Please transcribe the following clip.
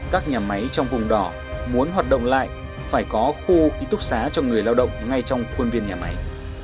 các nhà máy trong vùng đỏ muốn hoạt động lại phải có khu ký túc xá cho người lao động ngay trong khuôn viên nhà máy